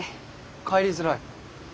帰りづらい？